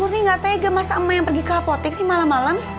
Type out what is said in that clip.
murni nggak tanya ke masa emak yang pergi ke apotik sih malam malam